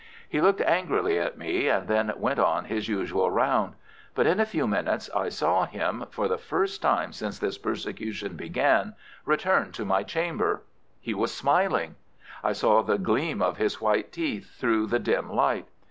He looked angrily at me, and then went on his usual round. But in a few minutes I saw him, for the first time since this persecution began, return to my chamber. He was smiling. I saw the gleam of his white teeth through the dim light.